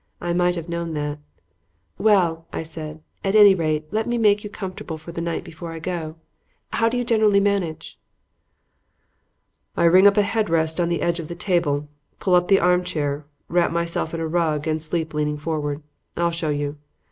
I might have known that. "Well," I said, "at any rate, let me make you comfortable for the night before I go. How do you generally manage?" "I rig up a head rest on the edge of the table, pull up the armchair, wrap myself in a rug and sleep leaning forward. I'll show you.